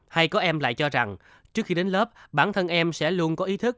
hay có em lại cho rằng trước khi đến lớp bản thân em sẽ luôn có ý thức